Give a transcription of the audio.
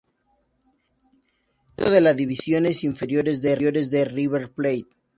Surgido de las divisiones inferiores de River Plate.